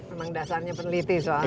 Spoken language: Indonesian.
memang dasarnya peneliti soalnya